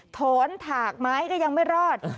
โถนถากไม้ก็ยังไม่รอด